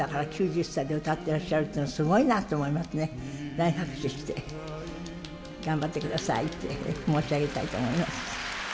大拍手して頑張ってくださいって申し上げたいと思います。